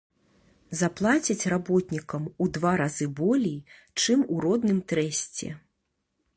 Заплацяць работнікам у два разы болей, чым у родным трэсце.